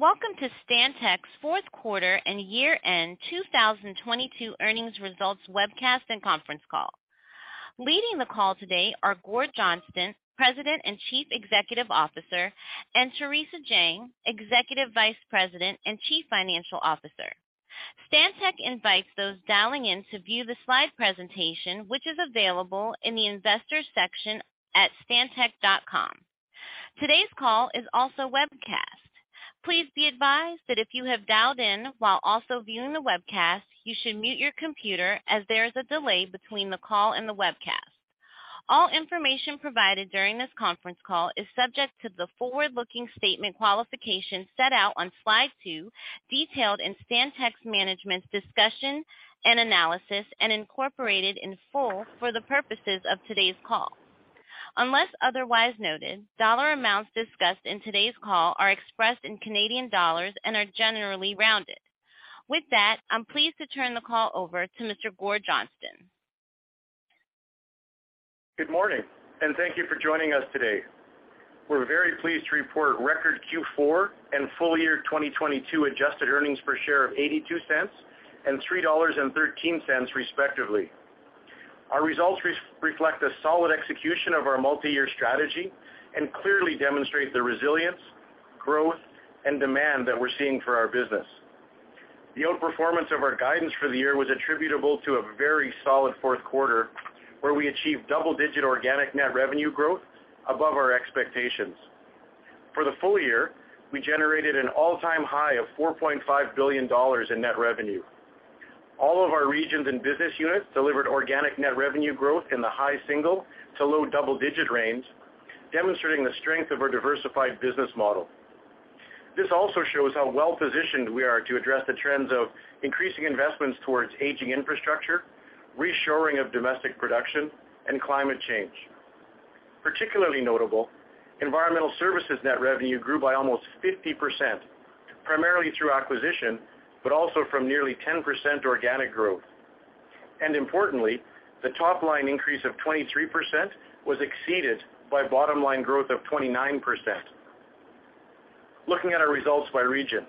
Welcome to Stantec's fourth quarter and year-end 2022 earnings results webcast and conference call. Leading the call today are Gord Johnston, President and Chief Executive Officer, and Theresa Jang, Executive Vice President and Chief Financial Officer. Stantec invites those dialing in to view the slide presentation, which is available in the Investors section at stantec.com. Today's call is also webcast. Please be advised that if you have dialed in while also viewing the webcast, you should mute your computer as there is a delay between the call and the webcast. All information provided during this conference call is subject to the forward-looking statement qualification set out on slide 2, detailed in Stantec's management's discussion and analysis, and incorporated in full for the purposes of today's call. Unless otherwise noted, dollar amounts discussed in today's call are expressed in Canadian dollars and are generally rounded. With that, I'm pleased to turn the call over to Mr. Gord Johnston. Good morning, and thank thank you for joining us today. We're very pleased to report record Q4 and full year 2022 adjusted earnings per share of 0.82 and 3.13 dollars, respectively. Our results reflect a solid execution of our multi-year strategy and clearly demonstrate the resilience, growth, and demand that we're seeing for our business. The outperformance of our guidance for the year was attributable to a very solid fourth quarter, where we achieved double-digit organic net revenue growth above our expectations. For the full year, we generated an all-time high of 4.5 billion dollars in net revenue. All of our regions and business units delivered organic net revenue growth in the high single- to low double-digit range, demonstrating the strength of our diversified business model. This also shows how well-positioned we are to address the trends of increasing investments towards aging infrastructure, reshoring of domestic production, and climate change. Particularly notable, Environmental Services net revenue grew by almost 50%, primarily through acquisition, but also from nearly 10% organic growth. Importantly, the top line increase of 23% was exceeded by bottom line growth of 29%. Looking at our results by region.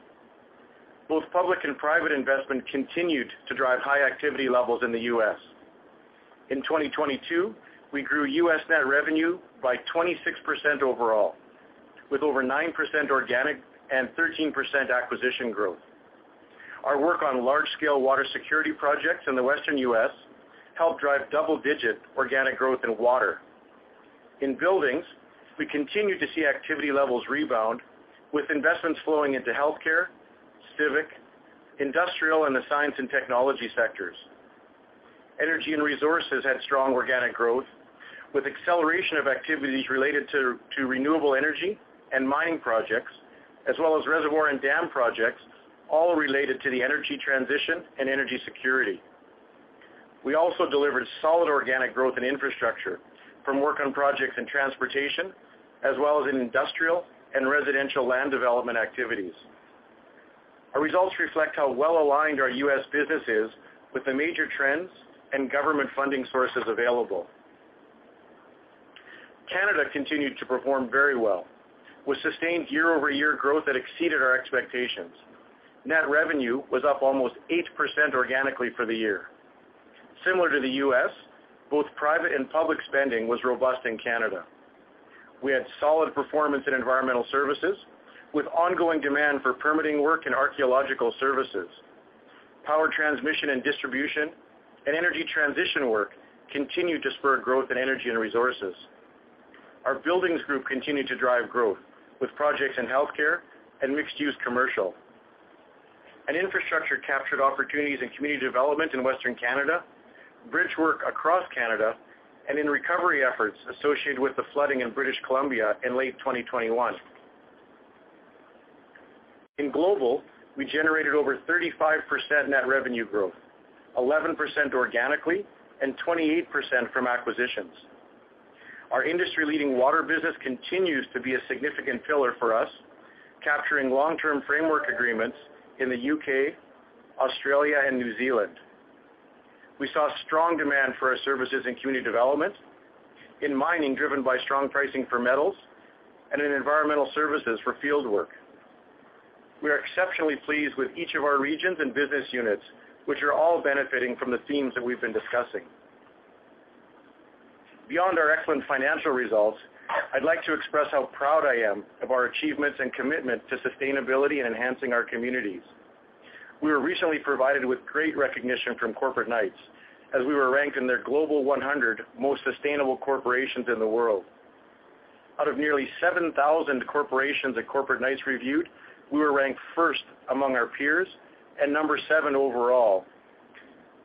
Both public and private investment continued to drive high activity levels in the U.S. In 2022, we grew U.S. net revenue by 26% overall, with over 9% organic and 13% acquisition growth. Our work on large-scale Water security projects in the Western U.S. helped drive double-digit organic growth in Water. In Buildings, we continued to see activity levels rebound with investments flowing into healthcare, civic, industrial, and the science and technology sectors. Energy & Resources had strong organic growth, with acceleration of activities related to renewable energy and mining projects, as well as reservoir and dam projects, all related to the energy transition and energy security. We also delivered solid organic growth in Infrastructure from work on projects in transportation, as well as in industrial and residential land development activities. Our results reflect how well-aligned our U.S. business is with the major trends and government funding sources available. Canada continued to perform very well with sustained year-over-year growth that exceeded our expectations. Net revenue was up almost 8% organically for the year. Similar to the U.S., both private and public spending was robust in Canada. We had solid performance in Environmental Services, with ongoing demand for permitting work and archaeological services. Power transmission and distribution and energy transition work continued to spur growth in Energy & Resources. Our Buildings group continued to drive growth with projects in healthcare and mixed-use commercial. Infrastructure captured opportunities in community development in Western Canada, bridge work across Canada, and in recovery efforts associated with the flooding in British Columbia in late 2021. In global, we generated over 35% net revenue growth, 11% organically, and 28% from acquisitions. Our industry-leading Water business continues to be a significant pillar for us, capturing long-term framework agreements in the U.K., Australia, and New Zealand. We saw strong demand for our services in community development, in mining driven by strong pricing for metals, and in Environmental Services for field work. We are exceptionally pleased with each of our regions and business units, which are all benefiting from the themes that we've been discussing. Beyond our excellent financial results, I'd like to express how proud I am of our achievements and commitment to sustainability and enhancing our communities. We were recently provided with great recognition from Corporate Knights, as we were ranked in their Global 100 Most Sustainable Corporations in the World. Out of nearly 7,000 corporations that Corporate Knights reviewed, we were ranked first among our peers and number seven overall.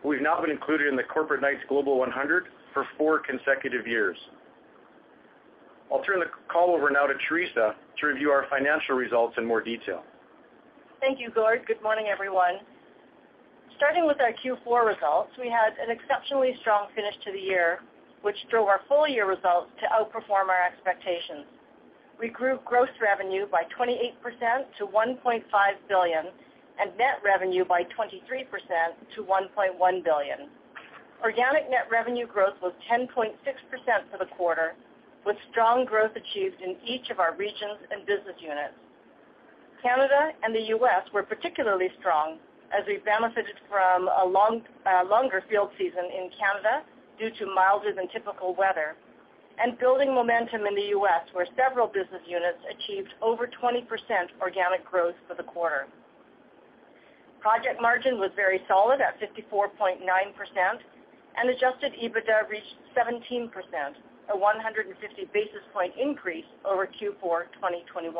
We've now been included in the Corporate Knights Global 100 for four consecutive years. I'll turn the call over now to Theresa to review our financial results in more detail. Thank you, Gord. Good morning, everyone. Starting with our Q4 results, we had an exceptionally strong finish to the year, which drove our full-year results to outperform our expectations. We grew gross revenue by 28% to 1.5 billion and net revenue by 23% to 1.1 billion. Organic net revenue growth was 10.6% for the quarter, with strong growth achieved in each of our regions and business units. Canada and the U.S. were particularly strong as we benefited from a longer field season in Canada due to milder than typical weather and building momentum in the U.S., where several business units achieved over 20% organic growth for the quarter. Project margin was very solid at 54.9%, and adjusted EBITDA reached 17%, a 150 basis point increase over Q4 2021.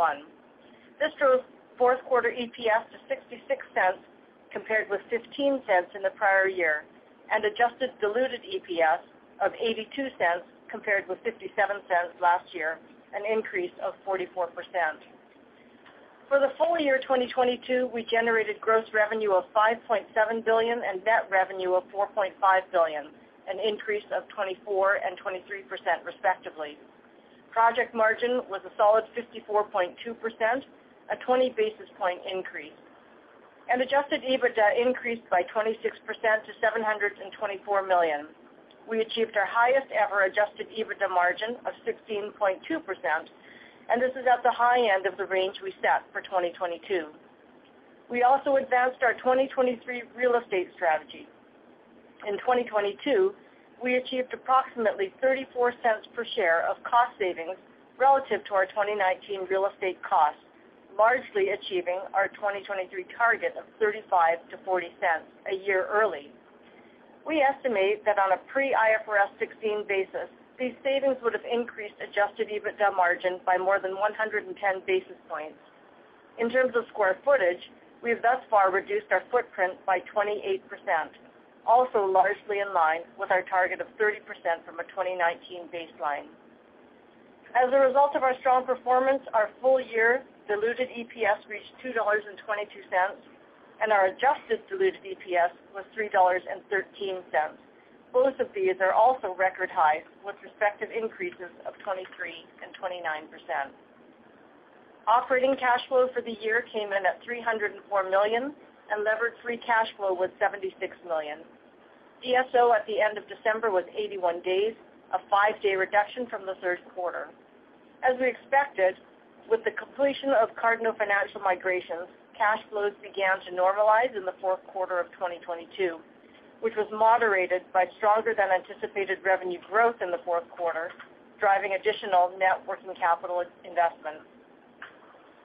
This drove fourth quarter EPS to 0.66, compared with 0.15 in the prior year, and adjusted diluted EPS of 0.82, compared with 0.57 last year, an increase of 44%. For the full year 2022, we generated gross revenue of 5.7 billion and net revenue of 4.5 billion, an increase of 24% and 23% respectively. Project margin was a solid 54.2%, a 20 basis point increase, and adjusted EBITDA increased by 26% to 724 million. We achieved our highest ever adjusted EBITDA margin of 16.2%, and this is at the high end of the range we set for 2022. We also advanced our 2023 real estate strategy. In 2022, we achieved approximately 0.34 per share of cost savings relative to our 2019 real estate costs, largely achieving our 2023 target of 0.35-0.40 a year early. We estimate that on a pre IFRS 16 basis, these savings would have increased adjusted EBITDA margin by more than 110 basis points. In terms of square footage, we have thus far reduced our footprint by 28%, also largely in line with our target of 30% from a 2019 baseline. As a result of our strong performance, our full year diluted EPS reached 2.22 dollars, and our adjusted diluted EPS was 3.13 dollars. Both of these are also record highs with respective increases of 23% and 29%. Operating cash flow for the year came in at 304 million, and levered free cash flow was 76 million. DSO at the end of December was 81 days, a five-day reduction from the third quarter. As we expected, with the completion of Cardno financial migrations, cash flows began to normalize in the fourth quarter of 2022, which was moderated by stronger than anticipated revenue growth in the fourth quarter, driving additional net working capital investments.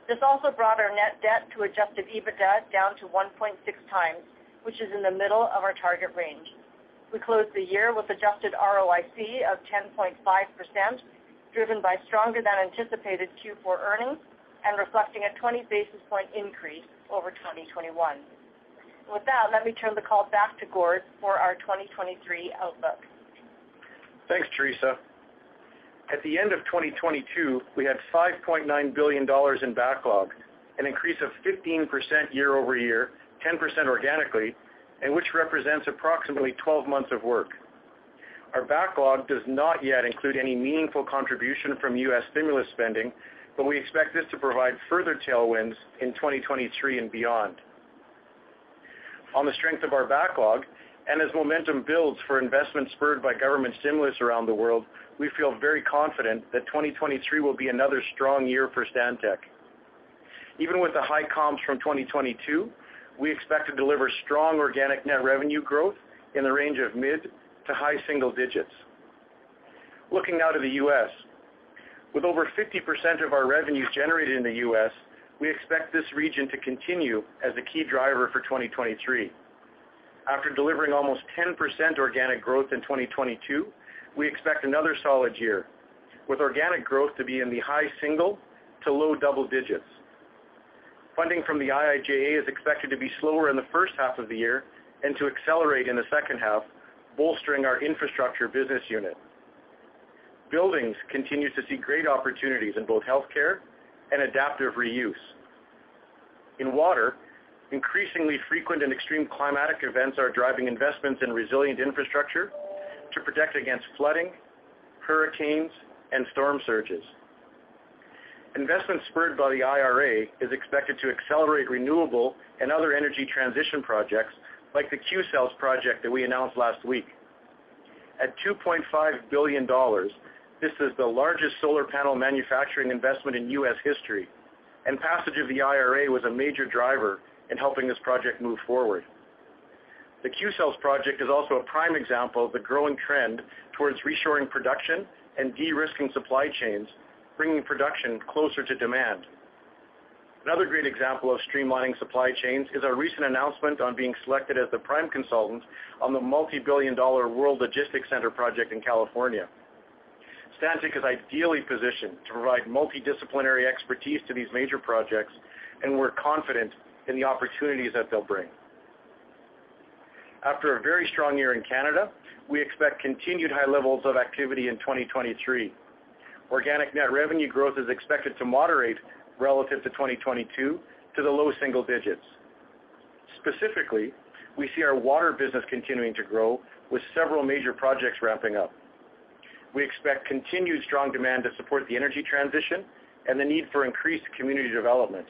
This also brought our net debt to adjusted EBITDA down to 1.6x, which is in the middle of our target range. We closed the year with adjusted ROIC of 10.5%, driven by stronger than anticipated Q4 earnings and reflecting a 20 basis point increase over 2021. With that, let me turn the call back to Gord for our 2023 outlook. Thanks, Theresa. At the end of 2022, we had 5.9 billion dollars in backlog, an increase of 15% year-over-year, 10% organically, and which represents approximately 12 months of work. Our backlog does not yet include any meaningful contribution from U.S. stimulus spending, we expect this to provide further tailwinds in 2023 and beyond. On the strength of our backlog, as momentum builds for investment spurred by government stimulus around the world, we feel very confident that 2023 will be another strong year for Stantec. Even with the high comps from 2022, we expect to deliver strong organic net revenue growth in the range of mid to high single digits. Looking now to the U.S. With over 50% of our revenues generated in the U.S., we expect this region to continue as a key driver for 2023. After delivering almost 10% organic growth in 2022, we expect another solid year, with organic growth to be in the high single to low double digits. Funding from the IIJA is expected to be slower in the first half of the year and to accelerate in the second half, bolstering our Infrastructure business unit. Buildings continue to see great opportunities in both healthcare and adaptive reuse. In Water, increasingly frequent and extreme climatic events are driving investments in resilient infrastructure to protect against flooding, hurricanes, and storm surges. Investments spurred by the IRA is expected to accelerate renewable and other energy transition projects like the Qcells project that we announced last week. At 2.5 billion dollars, this is the largest solar panel manufacturing investment in U.S. history, and passage of the IRA was a major driver in helping this project move forward. The Qcells project is also a prime example of the growing trend towards reshoring production and de-risking supply chains, bringing production closer to demand. Another great example of streamlining supply chains is our recent announcement on being selected as the prime consultant on the multi-billion dollar World Logistics Center project in California. Stantec is ideally positioned to provide multidisciplinary expertise to these major projects, and we're confident in the opportunities that they'll bring. After a very strong year in Canada, we expect continued high levels of activity in 2023. Organic net revenue growth is expected to moderate relative to 2022 to the low single digits. Specifically, we see our Water business continuing to grow with several major projects ramping up. We expect continued strong demand to support the energy transition and the need for increased community development.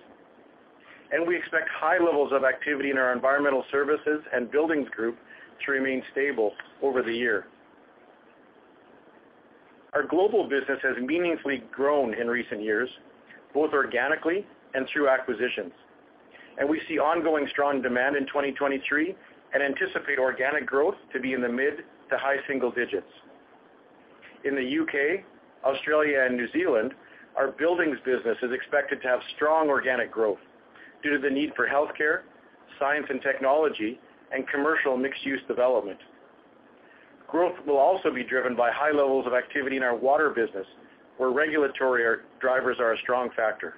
We expect high levels of activity in our Environmental Services and Buildings group to remain stable over the year. Our global business has meaningfully grown in recent years, both organically and through acquisitions. We see ongoing strong demand in 2023 and anticipate organic growth to be in the mid to high single digits. In the U.K., Australia and New Zealand, our Buildings business is expected to have strong organic growth due to the need for healthcare, science and technology and commercial mixed use development. Growth will also be driven by high levels of activity in our Water business, where regulatory drivers are a strong factor.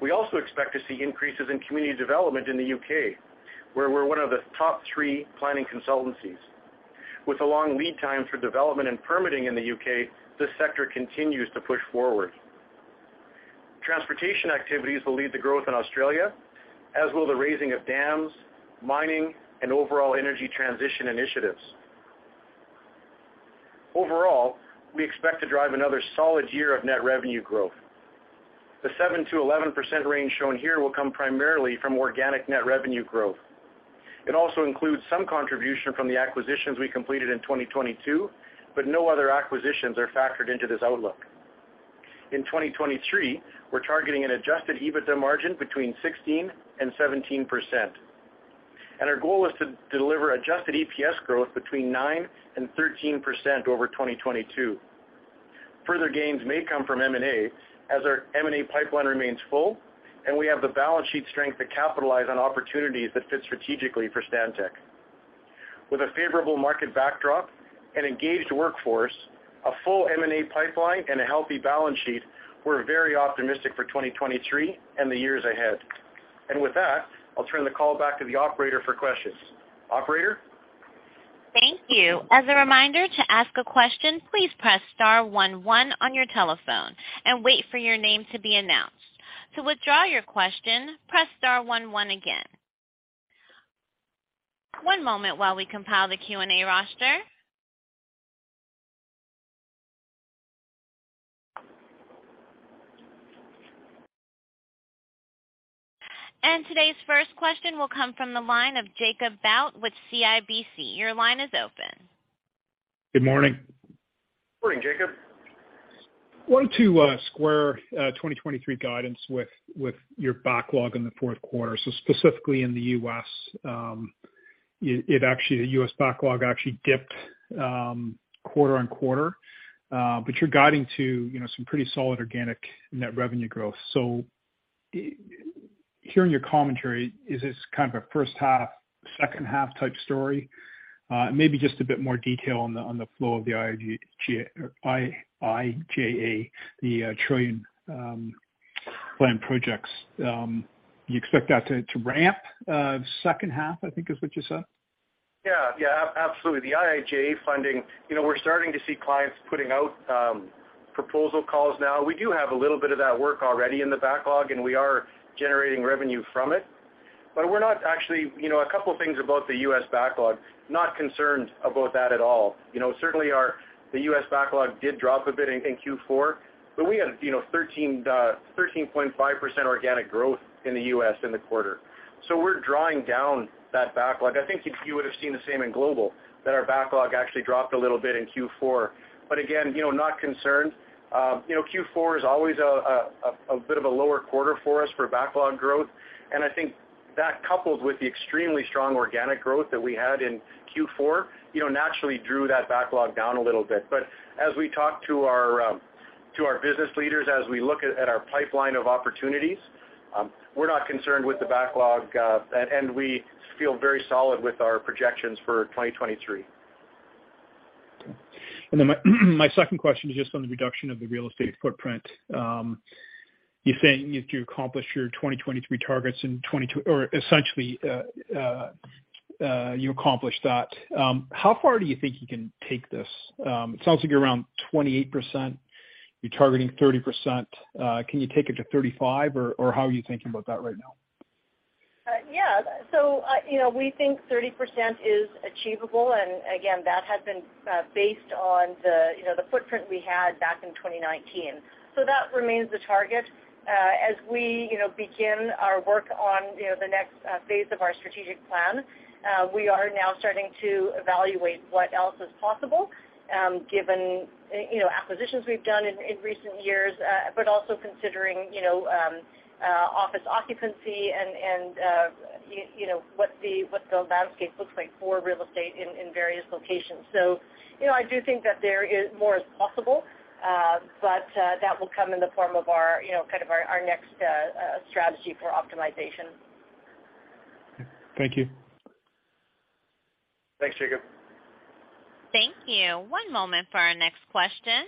We also expect to see increases in community development in the U.K., where we're one of the top three planning consultancies. With a long lead time for development and permitting in the U.K., this sector continues to push forward. Transportation activities will lead the growth in Australia, as will the raising of dams, mining and overall energy transition initiatives. Overall, we expect to drive another solid year of net revenue growth. The 7%-11% range shown here will come primarily from organic net revenue growth. It also includes some contribution from the acquisitions we completed in 2022, but no other acquisitions are factored into this outlook. In 2023, we're targeting an adjusted EBITDA margin between 16% and 17%. Our goal is to deliver adjusted EPS growth between 9% and 13% over 2022. Further gains may come from M&A as our M&A pipeline remains full, and we have the balance sheet strength to capitalize on opportunities that fit strategically for Stantec. With a favorable market backdrop, an engaged workforce, a full M&A pipeline, and a healthy balance sheet, we're very optimistic for 2023 and the years ahead. With that, I'll turn the call back to the operator for questions. Operator? Thank you. As a reminder, to ask a question, please press star one one on your telephone and wait for your name to be announced. To withdraw your question, press star one one again. One moment while we compile the Q&A roster. Today's first question will come from the line of Jacob Bout with CIBC. Your line is open. Good morning. Morning, Jacob. Wanted to square 2023 guidance with your backlog in the fourth quarter. Specifically in the U.S., it actually, the U.S. backlog actually dipped quarter-on-quarter. You're guiding to, you know, some pretty solid organic net revenue growth. Hearing your commentary, is this kind of a first half, second half type story? Maybe just a bit more detail on the flow of the IIJA, the trillion plan projects. You expect that to ramp second half, I think is what you said? Yeah. Absolutely. The IIJA funding, you know, we're starting to see clients putting out proposal calls now. We do have a little bit of that work already in the backlog, and we are generating revenue from it. We're not actually, you know, a couple of things about the U.S. backlog, not concerned about that at all. You know, certainly our, the U.S. backlog did drop a bit in Q4, but we had, you know, 13.5% organic growth in the U.S. in the quarter. We're drawing down that backlog. I think you would've seen the same in global that our backlog actually dropped a little bit in Q4. Again, you know, not concerned. You know, Q4 is always a bit of a lower quarter for us for backlog growth, and I think that coupled with the extremely strong organic growth that we had in Q4, you know, naturally drew that backlog down a little bit. As we talk to our business leaders, as we look at our pipeline of opportunities, we're not concerned with the backlog, and we feel very solid with our projections for 2023. Okay. My second question is just on the reduction of the real estate footprint. You're saying if you accomplish your 2023 targets or essentially, you accomplish that, how far do you think you can take this? It sounds like you're around 28%. You're targeting 30%. Can you take it to 35%, or how are you thinking about that right now? Yeah. You know, we think 30% is achievable, and again, that had been based on the, you know, the footprint we had back in 2019. That remains the target. As we, you know, begin our work on, you know, the next phase of our strategic plan, we are now starting to evaluate what else is possible, given, you know, acquisitions we've done in recent years, but also considering, you know, office occupancy and, you know, what the, what the landscape looks like for real estate in various locations. You know, I do think that there is more is possible, but that will come in the form of our, you know, kind of our next strategy for optimization. Okay. Thank you. Thanks, Jacob. Thank you. One moment for our next question.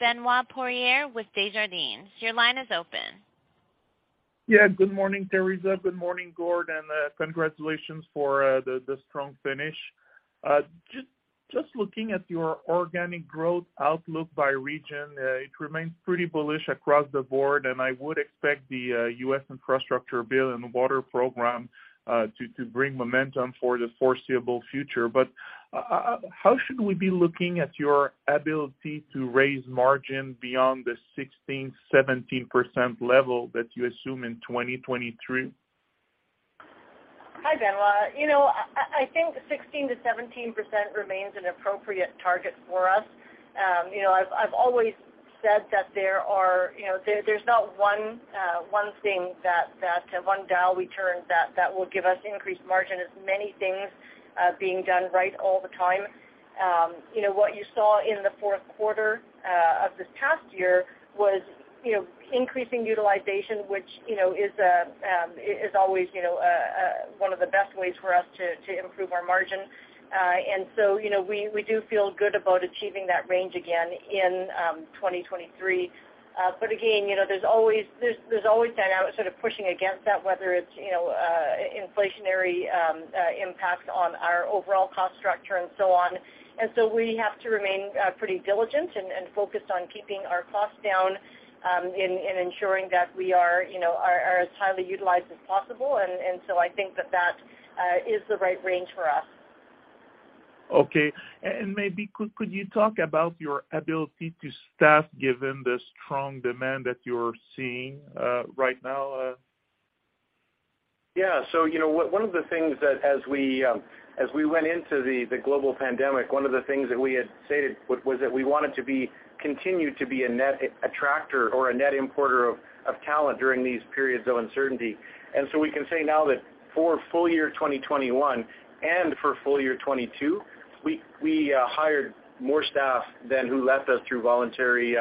Benoit Poirier with Desjardins. Your line is open. Good morning, Theresa. Good morning, Gord, and congratulations for the strong finish. Just looking at your organic growth outlook by region, it remains pretty bullish across the board, and I would expect the U.S. Infrastructure Bill and the Water program to bring momentum for the foreseeable future. How should we be looking at your ability to raise margin beyond the 16%-17% level that you assume in 2023? Hi, Benoit. You know, I think 16%-17% remains an appropriate target for us. You know, I've always said that there are, you know, there's not one thing that one dial we turn that will give us increased margin. It's many things being done right all the time. You know, what you saw in the fourth quarter of this past year was, you know, increasing utilization, which, you know, is always, you know, one of the best ways for us to improve our margin. You know, we do feel good about achieving that range again in 2023. Again, you know, there's always that out sort of pushing against that, whether it's, you know, inflationary impact on our overall cost structure and so on. We have to remain pretty diligent and focused on keeping our costs down, in ensuring that we are, you know, as highly utilized as possible. I think that that is the right range for us. Okay. Maybe could you talk about your ability to staff given the strong demand that you're seeing, right now? Yeah. You know, one of the things that as we went into the global pandemic, one of the things that we had stated was that we wanted to continue to be a net attractor or a net importer of talent during these periods of uncertainty. We can say now that for full year 2021 and for full year 2022, we hired more staff than who left us through voluntary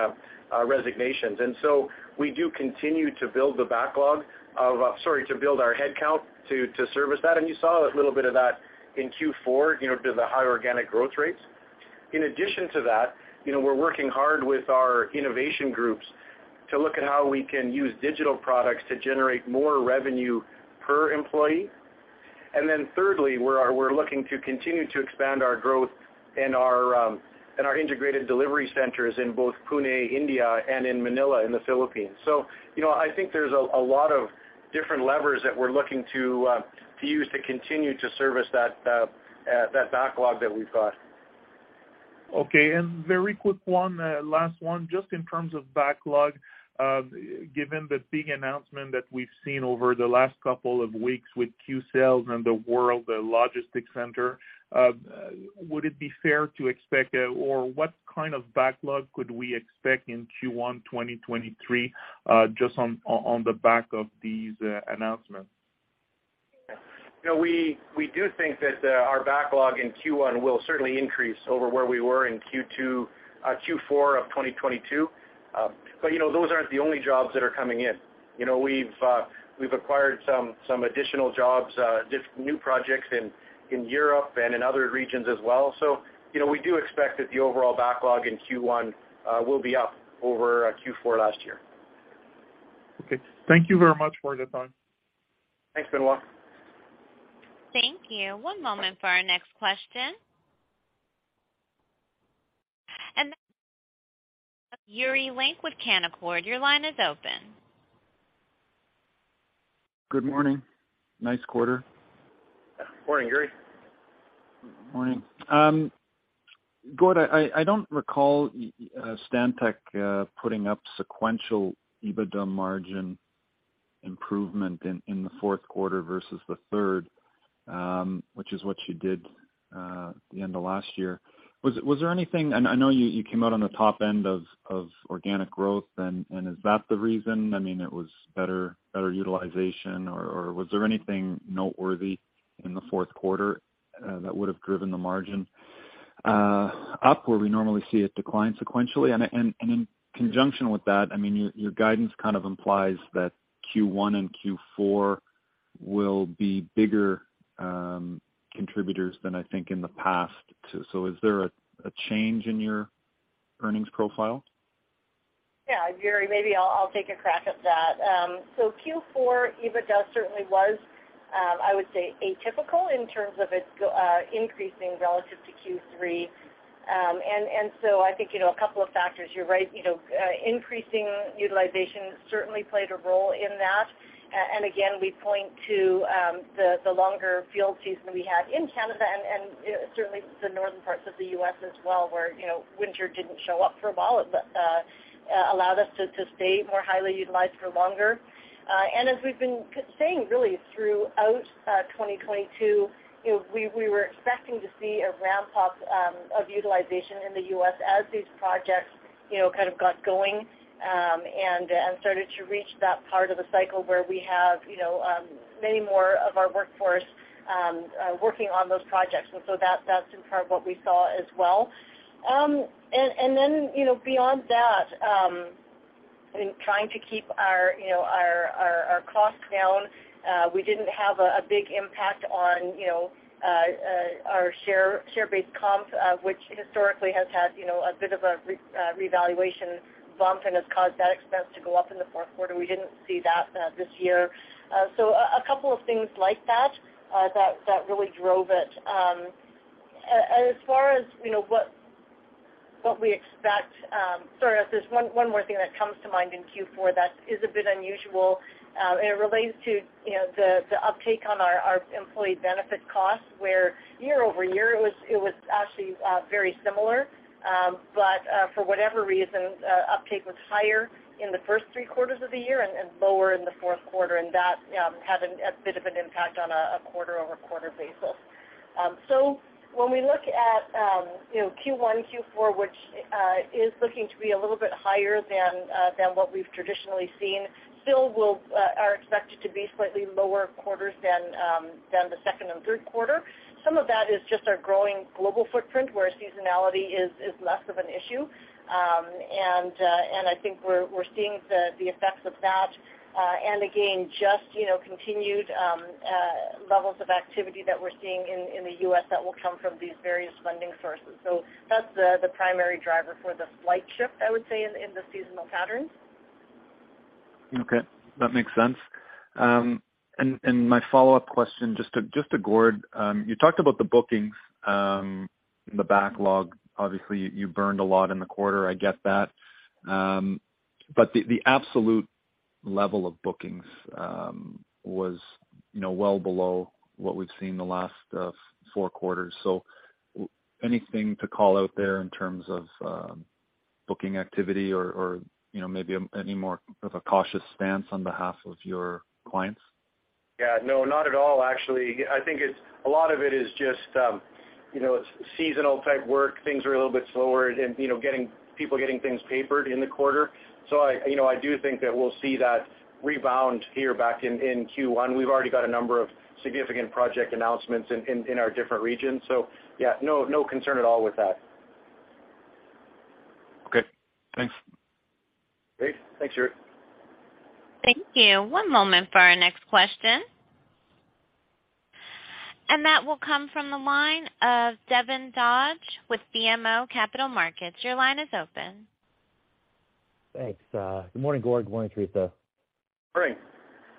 resignations. We do continue to build the backlog to build our headcount to service that. You saw a little bit of that in Q4, you know, due to the high organic growth rates. In addition to that, you know, we're working hard with our innovation groups to look at how we can use digital products to generate more revenue per employee. Thirdly, we're looking to continue to expand our growth in our integrated delivery centers in both Pune, India and in Manila, in the Philippines. You know, I think there's a lot of different levers that we're looking to use to continue to service that backlog that we've got. Okay. Very quick one, last one, just in terms of backlog. Given the big announcement that we've seen over the last couple of weeks with Qcells and the World Logistics Center, would it be fair to expect, or what kind of backlog could we expect in Q1 2023, just on the back of these announcements? You know, we do think that our backlog in Q1 will certainly increase over where we were in Q4 of 2022. You know, those aren't the only jobs that are coming in. You know, we've acquired some additional jobs, just new projects in Europe and in other regions as well. You know, we do expect that the overall backlog in Q1 will be up over Q4 last year. Okay. Thank you very much for the time. Thanks, Benoit. Thank you. One moment for our next question. Yuri Lynk with Canaccord, your line is open. Good morning. Nice quarter. Morning, Yuri. Morning. Gord, I don't recall Stantec putting up sequential EBITDA margin improvement in the fourth quarter versus the third, which is what you did at the end of last year. Was there anything? I know you came out on the top end of organic growth. Is that the reason? I mean, it was better utilization. Was there anything noteworthy in the fourth quarter that would have driven the margin up where we normally see it decline sequentially? In conjunction with that, I mean, your guidance kind of implies that Q1 and Q4 will be bigger contributors than I think in the past. Is there a change in your earnings profile? Yeah, Yuri, maybe I'll take a crack at that. Q4 EBITDA certainly was, I would say, atypical in terms of it increasing relative to Q3. I think, you know, a couple of factors. You're right, you know, increasing utilization certainly played a role in that. We point to the longer field season we had in Canada and certainly the northern parts of the U.S. as well, where, you know, winter didn't show up for a while. It allowed us to stay more highly utilized for longer. As we've been saying really throughout 2022, you know, we were expecting to see a ramp up of utilization in the U.S. as these projects, you know, kind of got going and started to reach that part of the cycle where we have, you know, many more of our workforce working on those projects. That's in part what we saw as well. You know, beyond that, in trying to keep our costs down, we didn't have a big impact on, you know, our share-based comp, which historically has had, you know, a bit of a revaluation bump and has caused that expense to go up in the fourth quarter. We didn't see that this year. A couple of things like that really drove it. As far as, you know, what we expect, sorry, there's one more thing that comes to mind in Q4 that is a bit unusual, and it relates to, you know, the uptake on our employee benefit costs, where year-over-year it was actually very similar. For whatever reason, uptake was higher in the first three quarters of the year and lower in the fourth quarter, and that had a bit of an impact on a quarter-over-quarter basis. When we look at, you know, Q1, Q4, which is looking to be a little bit higher than than what we've traditionally seen, still are expected to be slightly lower quarters than than the second and third quarter. Some of that is just our growing global footprint, where seasonality is less of an issue. I think we're seeing the effects of that. Again, just, you know, continued levels of activity that we're seeing in the U.S. that will come from these various funding sources. That's the primary driver for the slight shift, I would say, in the seasonal patterns. Okay, that makes sense. My follow-up question, just to Gord, you talked about the bookings and the backlog. Obviously you burned a lot in the quarter, I get that. The absolute level of bookings was, you know, well below what we've seen the last four quarters. Anything to call out there in terms of booking activity or, you know, maybe any more of a cautious stance on behalf of your clients? No, not at all, actually. I think it's, a lot of it is just, you know, seasonal type work. Things are a little bit slower and, you know, people getting things papered in the quarter. I, you know, I do think that we'll see that rebound here back in Q1. We've already got a number of significant project announcements in our different regions. No, no concern at all with that. Okay, thanks. Great. Thanks, Yuri. Thank you. One moment for our next question. That will come from the line of Devin Dodge with BMO Capital Markets. Your line is open. Thanks, good morning, Gord. Good morning, Theresa. Morning.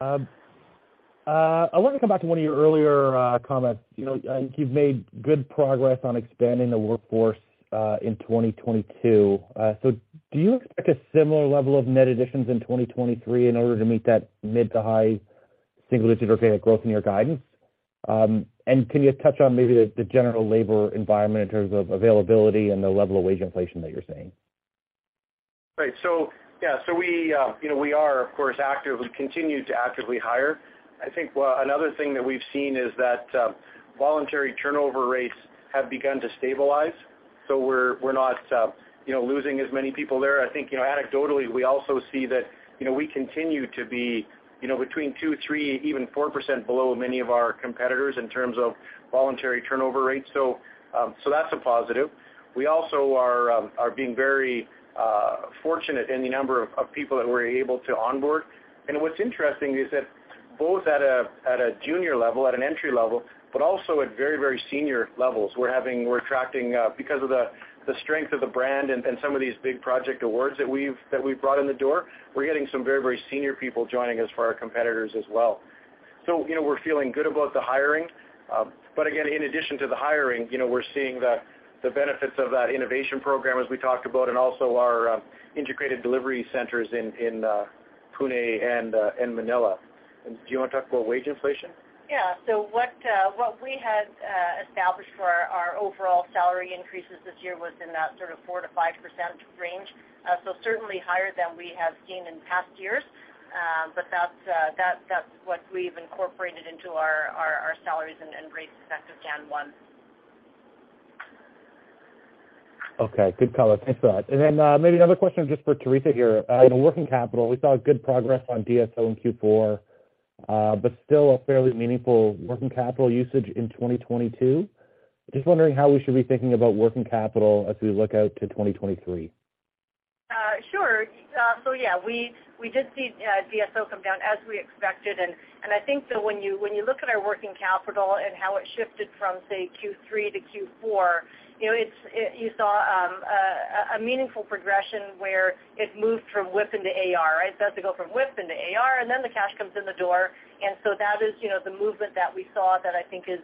I wanted to come back to one of your earlier comments. You know, I think you've made good progress on expanding the workforce in 2022. Do you expect a similar level of net additions in 2023 in order to meet that mid to high single-digit organic growth in your guidance? Can you touch on maybe the general labor environment in terms of availability and the level of wage inflation that you're seeing? Right. We, you know, we are of course active. We continue to actively hire. I think another thing that we've seen is that voluntary turnover rates have begun to stabilize, we're not, you know, losing as many people there. I think, you know, anecdotally, we also see that, you know, we continue to be, you know, between 2%, 3%, even 4% below many of our competitors in terms of voluntary turnover rates. That's a positive. We also are being very fortunate in the number of people that we're able to onboard. What's interesting is that both at a junior level, at an entry level, but also at very senior levels, we're attracting because of the strength of the brand and some of these big project awards that we've brought in the door, we're getting some very senior people joining us from our competitors as well. You know, we're feeling good about the hiring. Again, in addition to the hiring, you know, we're seeing the benefits of that innovation program as we talked about and also our integrated delivery centers in Pune and Manila. Do you wanna talk about wage inflation? What we had established for our overall salary increases this year was in that sort of 4%-5% range. Certainly higher than we have seen in past years. That's what we've incorporated into our salaries and raises effective January 1. Okay. Good color. Thanks for that. Maybe another question just for Theresa here. In working capital, we saw good progress on DSO in Q4, but still a fairly meaningful working capital usage in 2022. Just wondering how we should be thinking about working capital as we look out to 2023. Sure. Yeah, we did see DSO come down as we expected. I think that when you, when you look at our working capital and how it shifted from, say, Q3 to Q4, you know, you saw a meaningful progression where it moved from WIP into AR, right? It starts to go from WIP into AR, and then the cash comes in the door. That is, you know, the movement that we saw that I think is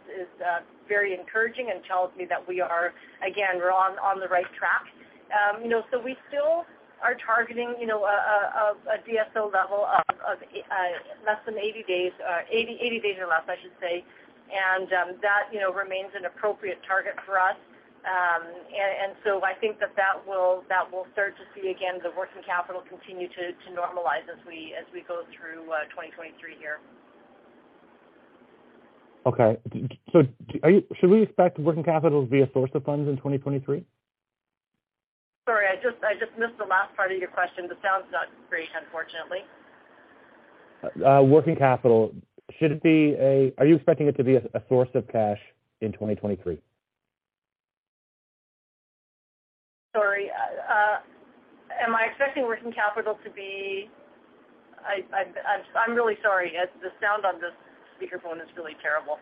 very encouraging and tells me that we are, again, we're on the right track. You know, we still are targeting, you know, a DSO level of less than 80 days, 80 days or less, I should say. That, you know, remains an appropriate target for us. I think that will start to see, again, the working capital continue to normalize as we go through, 2023 here. Okay. Should we expect working capital to be a source of funds in 2023? Sorry, I just missed the last part of your question. The sound's not great, unfortunately. Working capital, Are you expecting it to be a source of cash in 2023? Sorry. Am I expecting working capital. I'm really sorry. The sound on this speakerphone is really terrible.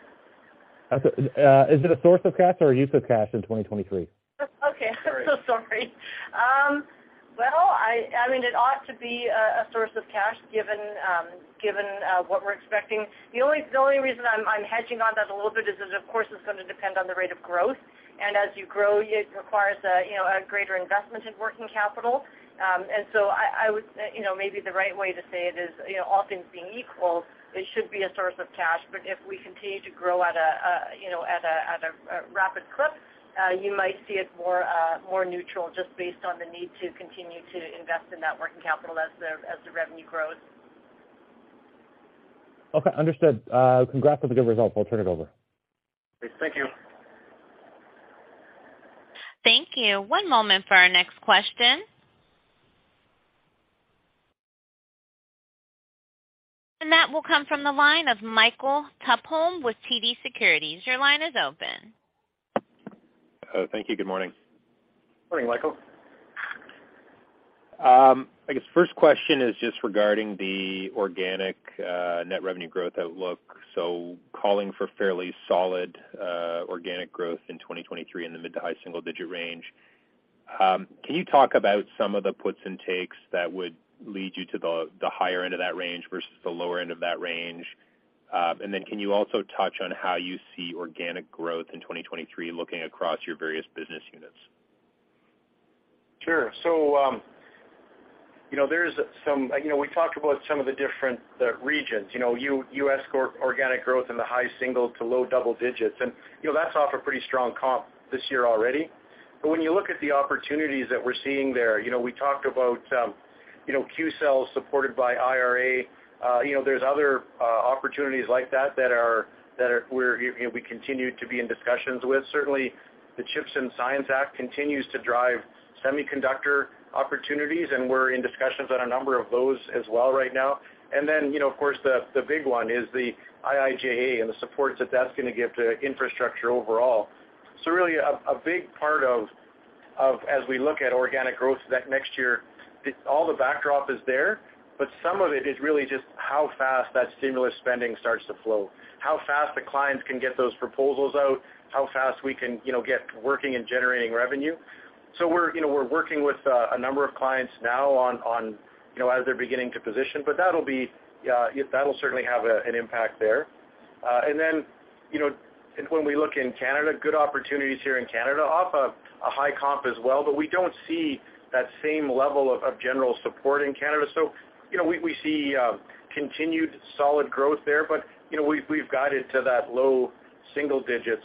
Is it a source of cash or a use of cash in 2023? Okay. Sorry. Well, I mean, it ought to be a source of cash given what we're expecting. The only reason I'm hedging on that a little bit is that, of course, it's gonna depend on the rate of growth. As you grow, it requires a, you know, a greater investment in working capital. So I would. You know, maybe the right way to say it is, you know, all things being equal, it should be a source of cash. If we continue to grow at a, you know, at a, at a rapid clip, you might see it more neutral just based on the need to continue to invest in that working capital as the revenue grows. Okay, understood. Congrats on the good results. I'll turn it over. Thank you. Thank you. One moment for our next question. That will come from the line of Michael Tupholme with TD Securities. Your line is open. Thank you. Good morning. Morning, Michael. I guess first question is just regarding the organic net revenue growth outlook. Calling for fairly solid organic growth in 2023 in the mid-to-high single-digit range. Can you talk about some of the puts and takes that would lead you to the higher end of that range versus the lower end of that range? Can you also touch on how you see organic growth in 2023 looking across your various business units? Sure. You know, we talked about some of the different regions. You know, U.S. core organic growth in the high single to low double digits. You know, that's off a pretty strong comp this year already. When you look at the opportunities that we're seeing there, you know, we talked about, you know, Qcells supported by IRA. You know, there's other opportunities like that we continue to be in discussions with. Certainly, the CHIPS and Science Act continues to drive semiconductor opportunities, and we're in discussions on a number of those as well right now. You know, of course, the big one is the IIJA and the supports that that's gonna give to Infrastructure overall. Really a big part of, as we look at organic growth that next year, all the backdrop is there, but some of it is really just how fast that stimulus spending starts to flow, how fast the clients can get those proposals out, how fast we can, you know, get working and generating revenue. We're, you know, we're working with a number of clients now on, you know, as they're beginning to position, but that'll be, that'll certainly have an impact there. Then, you know, when we look in Canada, good opportunities here in Canada off a high comp as well, but we don't see that same level of general support in Canada. You know, we see continued solid growth there, but, you know, we've guided to that low single digits.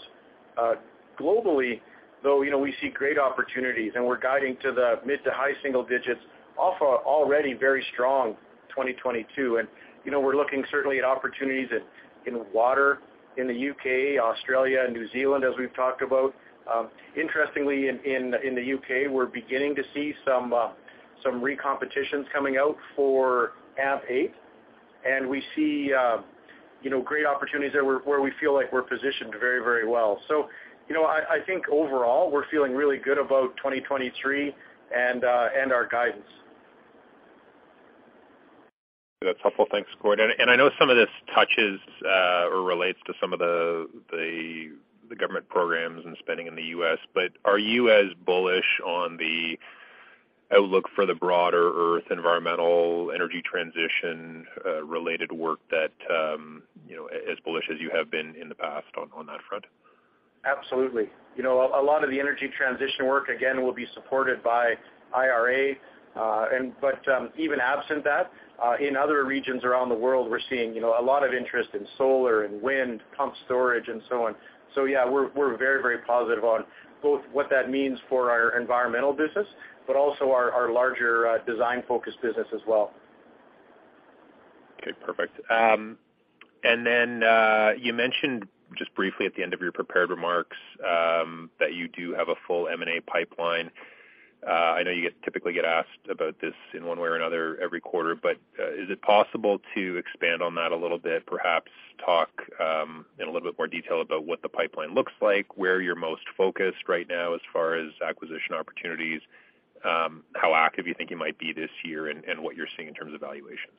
Globally, though, you know, we see great opportunities, and we're guiding to the mid to high single digits off a already very strong 2022. You know, we're looking certainly at opportunities at, in Water in the U.K., Australia, and New Zealand, as we've talked about. Interestingly, in the U.K., we're beginning to see some recompetitions coming out for AMP8, and we see, you know, great opportunities there where we feel like we're positioned very, very well. You know, I think overall, we're feeling really good about 2023 and our guidance. That's helpful. Thanks, Gord. I know some of this touches or relates to some of the government programs and spending in the U.S., but are you as bullish on the outlook for the broader earth environmental energy transition related work that, you know, as bullish as you have been in the past on that front? Absolutely. You know, a lot of the energy transition work, again, will be supported by IRA. Even absent that, in other regions around the world, we're seeing, you know, a lot of interest in solar and wind, pump storage and so on. Yeah, we're very, very positive on both what that means for our environmental business, but also our larger, design-focused business as well. Okay, perfect. You mentioned just briefly at the end of your prepared remarks that you do have a full M&A pipeline. I know you typically get asked about this in one way or another every quarter, is it possible to expand on that a little bit? Perhaps talk in a little bit more detail about what the pipeline looks like, where you're most focused right now as far as acquisition opportunities, how active you think you might be this year, and what you're seeing in terms of valuations.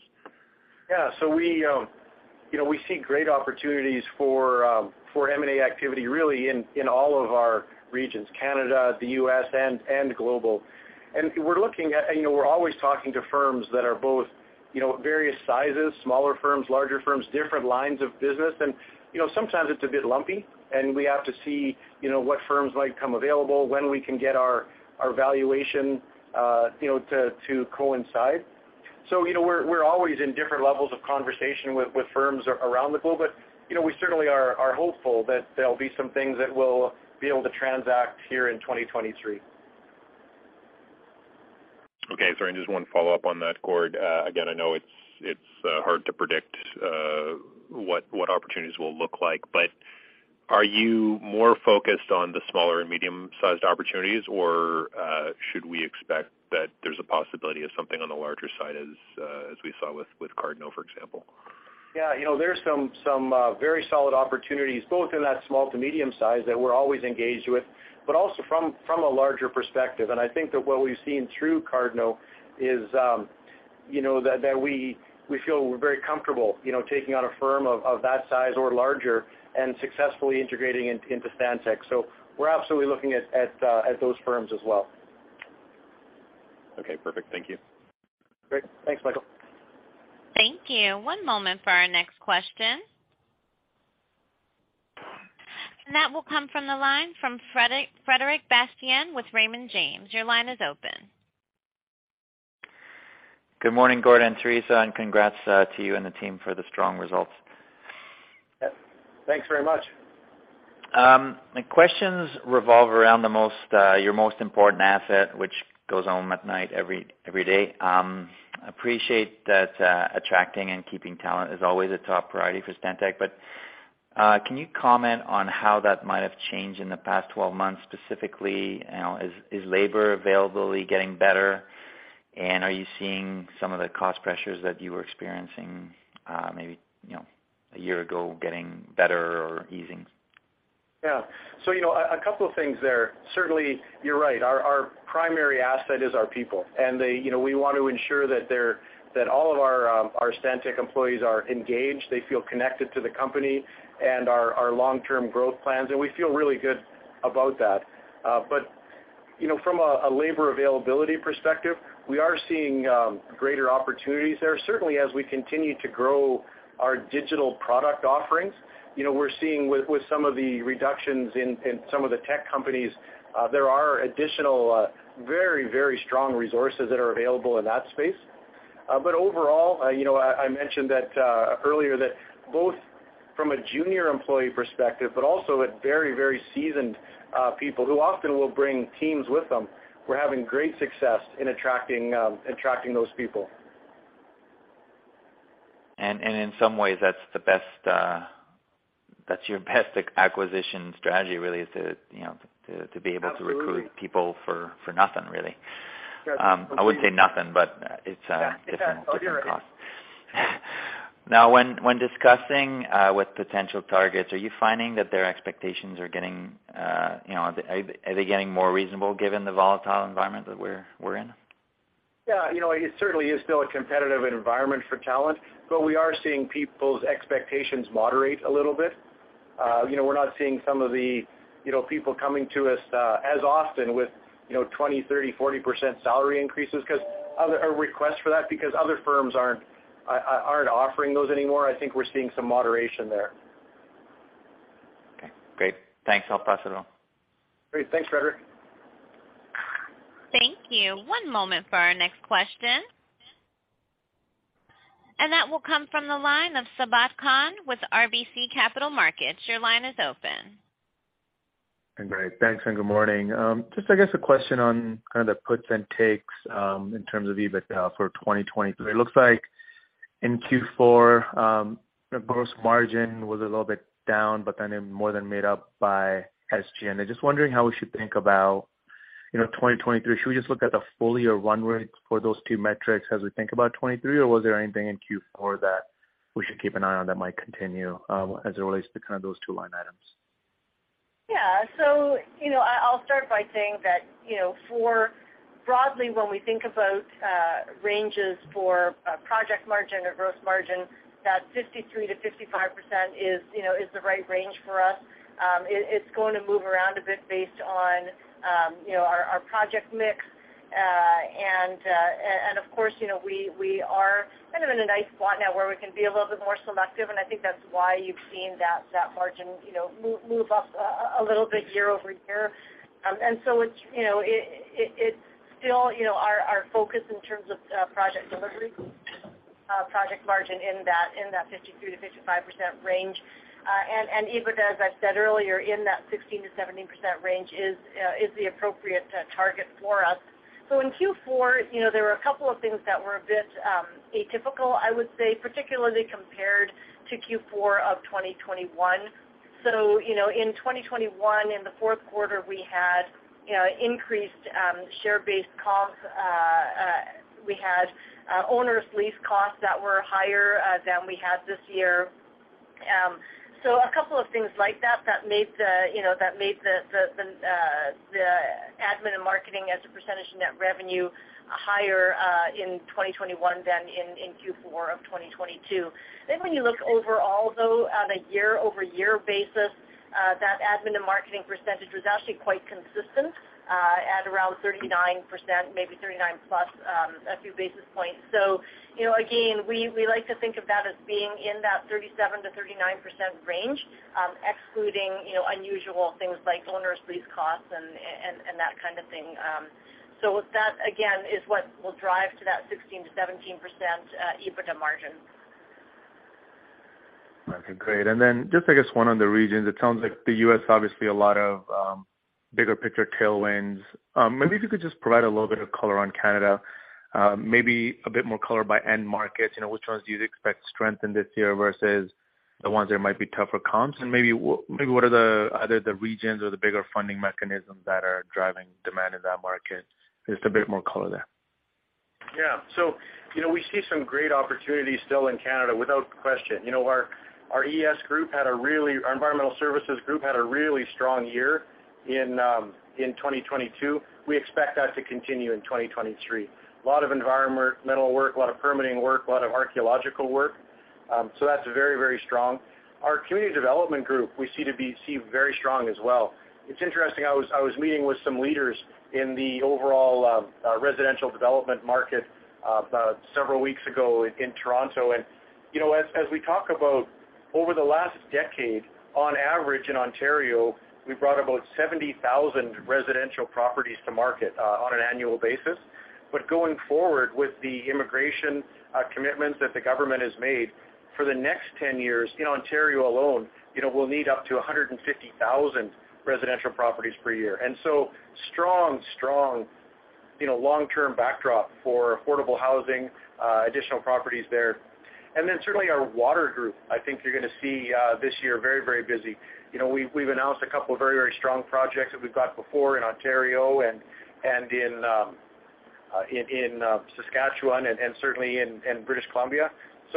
Yeah. We, you know, we see great opportunities for M&A activity really in all of our regions, Canada, the U.S., and global. We're looking at, you know, we're always talking to firms that are both, you know, various sizes, smaller firms, larger firms, different lines of business. You know, sometimes it's a bit lumpy, and we have to see, you know, what firms might come available, when we can get our valuation, you know, to coincide. You know, we're always in different levels of conversation with firms around the globe. You know, we certainly are hopeful that there'll be some things that we'll be able to transact here in 2023. Okay. Sorry, just one follow-up on that, Gord. Again, I know it's hard to predict what opportunities will look like. Are you more focused on the smaller and medium-sized opportunities, or should we expect there's a possibility of something on the larger side as we saw with Cardno, for example? Yeah. You know, there's some very solid opportunities both in that small to medium size that we're always engaged with, but also from a larger perspective. I think that what we've seen through Cardno is, you know, that we feel we're very comfortable, you know, taking on a firm of that size or larger and successfully integrating into Stantec. We're absolutely looking at those firms as well. Okay, perfect. Thank you. Great. Thanks, Michael. Thank you. One moment for our next question. That will come from the line from Frederic Bastien with Raymond James. Your line is open. Good morning, Gordon and Theresa, congrats to you and the team for the strong results. Yep. Thanks very much. My questions revolve around the most, your most important asset which goes home at night every day. Appreciate that, attracting and keeping talent is always a top priority for Stantec. Can you comment on how that might have changed in the past 12 months, specifically, you know, is labor availability getting better? Are you seeing some of the cost pressures that you were experiencing, maybe, you know, a year ago getting better or easing? Yeah. You know, a couple of things there. Certainly, you're right, our primary asset is our people, and they, you know, we want to ensure that all of our Stantec employees are engaged, they feel connected to the company and our long-term growth plans. We feel really good about that. You know, from a labor availability perspective, we are seeing greater opportunities there. Certainly, as we continue to grow our digital product offerings, you know, we're seeing with some of the reductions in some of the tech companies, there are additional, very strong resources that are available in that space. Overall, you know, I mentioned that earlier that both from a junior employee perspective, but also at very seasoned people who often will bring teams with them, we're having great success in attracting those people. In some ways, that's the best, that's your best acquisition strategy really is to, you know, to be able to recruit— Absolutely. — people for nothing really. Yes. I wouldn't say nothing, but it's different cost. You're right. Now, when discussing with potential targets, are you finding that their expectations are getting, you know, are they getting more reasonable given the volatile environment that we're in? Yeah. You know, it certainly is still a competitive environment for talent, but we are seeing people's expectations moderate a little bit. You know, we're not seeing some of the, you know, people coming to us as often with, you know, 20%, 30%, 40% salary increases or request for that because other firms aren't offering those anymore. I think we're seeing some moderation there. Okay, great. Thanks. I'll pass it on. Great. Thanks, Frederic. Thank you. One moment for our next question. That will come from the line of Sabahat Khan with RBC Capital Markets. Your line is open. Great. Thanks, and good morning. Just I guess a question on kind of the puts and takes in terms of EBITDA for 2023. It looks like in Q4, the gross margin was a little bit down, but then it more than made up by SG&A. Just wondering how we should think about, you know, 2023. Should we just look at the full year run rate for those two metrics as we think about 2023, or was there anything in Q4 that we should keep an eye on that might continue as it relates to kind of those two line items? Yeah. You know, I'll start by saying that, you know, for broadly, when we think about ranges for project margin or gross margin, that 53%-55% is, you know, the right range for us. It's going to move around a bit based on, you know, our project mix. And of course, you know, we are kind of in a nice spot now where we can be a little bit more selective, and I think that's why you've seen that margin, you know, move up a little bit year-over-year. It's, you know, it's still, you know, our focus in terms of project delivery, project margin in that 53%-55% range. EBITDA, as I said earlier, in that 16%-17% range is the appropriate target for us. In Q4, you know, there were a couple of things that were a bit atypical, I would say, particularly compared to Q4 of 2021. In 2021, you know, in the fourth quarter, we had, you know, increased share-based comps. We had onerous lease costs that were higher than we had this year. A couple of things like that that made the, you know, that made the, the admin and marketing as a percentage of net revenue higher in 2021 than in Q4 of 2022. When you look overall, though, on a year-over-year basis, that admin and marketing percentage was actually quite consistent, at around 39%, maybe 39%+, a few basis points. You know, again, we like to think of that as being in that 37%-39% range, excluding, you know, unusual things like onerous lease costs and that kind of thing. That again is what will drive to that 16%-17% EBITDA margin. Okay, great. Just I guess one on the regions. It sounds like the U.S., obviously a lot of bigger picture tailwinds. Maybe if you could just provide a little bit of color on Canada, maybe a bit more color by end markets. You know, which ones do you expect strength in this year versus the ones that might be tougher comps and maybe what are the other, the regions or the bigger funding mechanisms that are driving demand in that market? Just a bit more color there. Yeah. You know, we see some great opportunities still in Canada without question. You know, our ES group, our Environmental Services group had a really strong year in 2022. We expect that to continue in 2023. A lot of environmental work, a lot of permitting work, a lot of archaeological work. That's very strong. Our community development group, we see very strong as well. It's interesting, I was meeting with some leaders in the overall residential development market about several weeks ago in Toronto. You know, as we talk about over the last decade, on average in Ontario, we brought about 70,000 residential properties to market on an annual basis. Going forward with the immigration commitments that the government has made, for the next 10 years in Ontario alone, you know, we'll need up to 150,000 residential properties per year. Strong, you know, long-term backdrop for affordable housing, additional properties there. Certainly our Water group, I think you're gonna see this year very, very busy. You know, we've announced a couple of very, very strong projects that we've got before in Ontario and in Saskatchewan and certainly in British Columbia.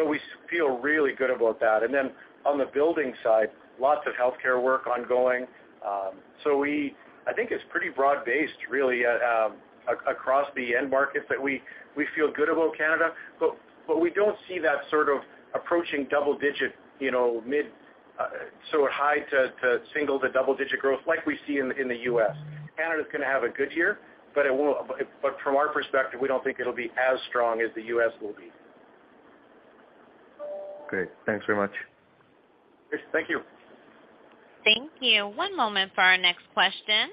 We feel really good about that. On the Building side, lots of healthcare work ongoing. I think it's pretty broad-based really across the end markets that we feel good about Canada. We don't see that sort of approaching double-digit, you know, mid, sort of high to single- to double-digit growth like we see in the U.S., Canada's gonna have a good year, but it won't. From our perspective, we don't think it'll be as strong as the U.S. will be. Great. Thanks very much. Yes, thank you. Thank you. One moment for our next question.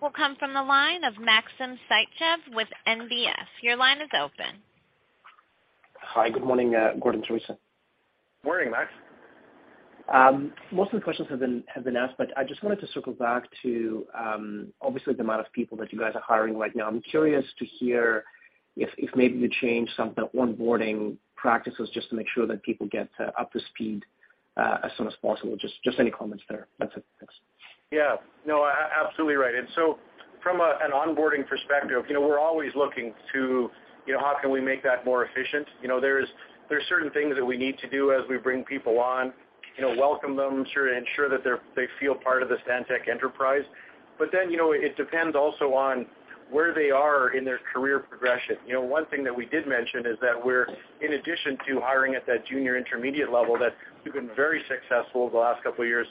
Will come from the line of Maxim Sytchev with NBF. Your line is open. Hi, good morning, Gord and Theresa. Morning, Max. Most of the questions have been asked. I just wanted to circle back to, obviously the amount of people that you guys are hiring right now. I'm curious to hear if maybe you changed some of the onboarding practices just to make sure that people get up to speed as soon as possible. Just any comments there. That's it. Thanks. Yeah. No, absolutely right. From a, an onboarding perspective, you know, we're always looking to, you know, how can we make that more efficient? You know, there's certain things that we need to do as we bring people on. You know, welcome them to ensure that they feel part of the Stantec enterprise. You know, it depends also on where they are in their career progression. You know, one thing that we did mention is that we're in addition to hiring at that junior intermediate level, that we've been very successful the last couple of years.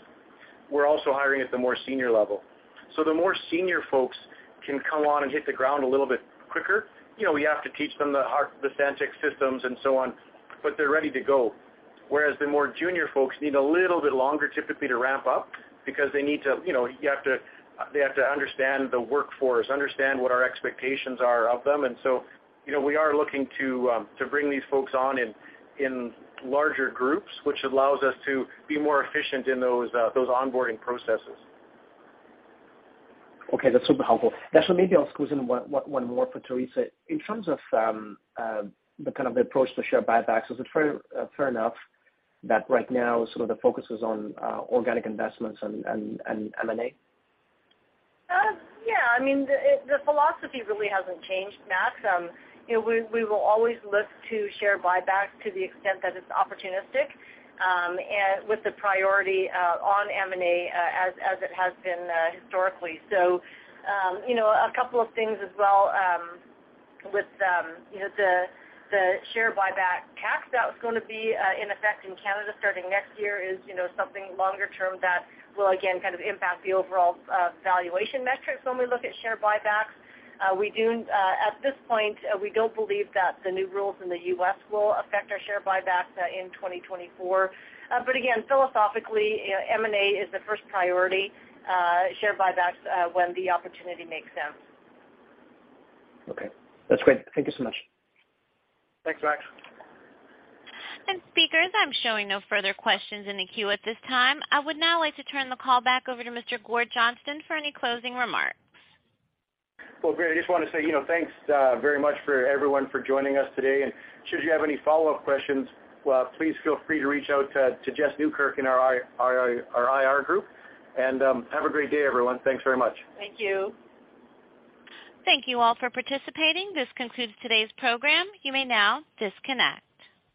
We're also hiring at the more senior level. The more senior folks can come on and hit the ground a little bit quicker. You know, we have to teach them the Stantec systems and so on, but they're ready to go. The more junior folks need a little bit longer typically to ramp up because they need to, you know, they have to understand the workforce, understand what our expectations are of them. You know, we are looking to bring these folks on in larger groups, which allows us to be more efficient in those onboarding processes. Okay, that's super helpful. Actually, maybe I'll squeeze in one more for Theresa. In terms of the kind of the approach to share buybacks, is it fair enough that right now sort of the focus is on organic investments and M&A? Yeah. I mean, the philosophy really hasn't changed, Max. You know, we will always look to share buybacks to the extent that it's opportunistic, with the priority on M&A, as it has been historically. You know, a couple of things as well, with, you know, the share buyback tax that's gonna be in effect in Canada starting next year is, you know, something longer term that will again kind of impact the overall valuation metrics when we look at share buybacks. We do, at this point, we don't believe that the new rules in the U.S. will affect our share buybacks in 2024. Again, philosophically, M&A is the first priority, share buybacks, when the opportunity makes sense. Okay. That's great. Thank you so much. Thanks, Max. Speakers, I'm showing no further questions in the queue at this time. I would now like to turn the call back over to Mr. Gord Johnston for any closing remarks. Well, great. I just wanna say, you know, thanks, very much for everyone for joining us today. Should you have any follow-up questions, well, please feel free to reach out to Jeff Newkirk in our IR group. Have a great day everyone. Thanks very much. Thank you. Thank you all for participating. This concludes today's program. You may now disconnect.